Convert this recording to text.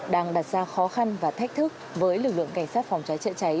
đang đặt ra khó khăn và thách thức với lực lượng cảnh sát phòng cháy chữa cháy